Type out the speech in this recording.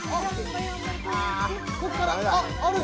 こっからあっある！